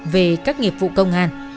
về các nghiệp vụ công an